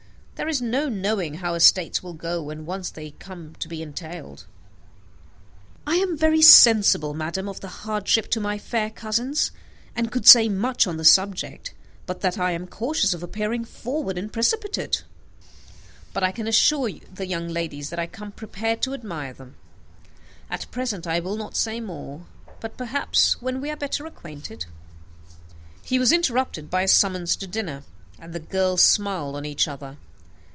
There is no knowing how estates will go when once they come to be entailed." "I am very sensible, madam, of the hardship to my fair cousins, and could say much on the subject, but that I am cautious of appearing forward and precipitate. But I can assure the young ladies that I come prepared to admire them. At present I will not say more, but, perhaps, when we are better acquainted " He was interrupted by a summons to dinner; and the girls smiled on each other.